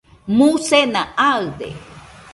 musena aɨde